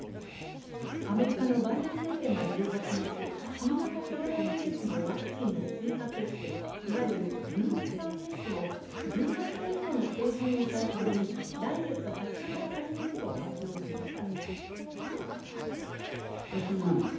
アメリカのバイデン政権は１８日、新型コロナウイルスのワクチンの追加接種、いわゆるブースター接種を１８歳以上の成人を対象に、来月２０日から始めると発表しました。